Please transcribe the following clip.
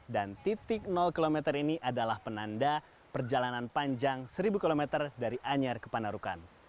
dan titik km ini adalah penanda perjalanan panjang seribu km dari anjar ke pandarukan